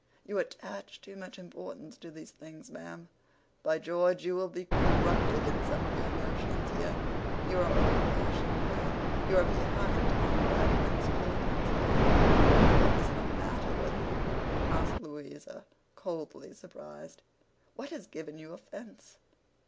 'You attach too much importance to these things, ma'am. By George, you'll be corrupted in some of your notions here. You are old fashioned, ma'am. You are behind Tom Gradgrind's children's time.' 'What is the matter with you?' asked Louisa, coldly surprised. 'What has given you offence?